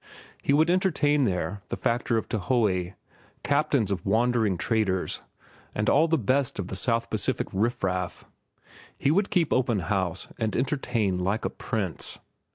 He would entertain there the factor of Taiohae, captains of wandering traders, and all the best of the South Pacific riffraff. He would keep open house and entertain like a prince.